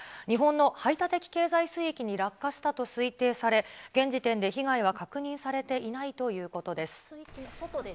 日本の排他的経済水域に落下したと推定され、現時点で被害は確認されていないということです。